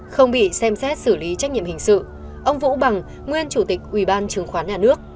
không bị xem xét xử lý trách nhiệm hình sự ông vũ bằng nguyên chủ tịch ủy ban chứng khoán nhà nước